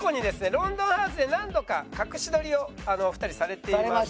『ロンドンハーツ』で何度か隠し撮りをお二人されていますが。